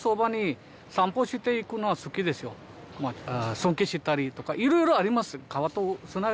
尊敬したりとか色々あります。